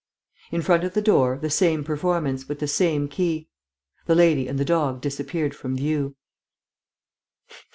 In front of the door, the same performance, with the same key.... The lady and the dog disappeared from view.